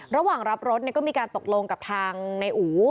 ระหว่างรับรถก็มีการตกลงกับทางในอู๋